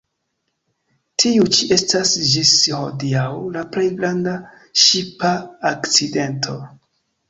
Tiu ĉi estas ĝis hodiaŭ la plej granda ŝipa akcidento.